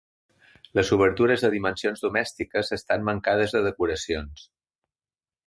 Les obertures, de dimensions domèstiques, estan mancades de decoracions.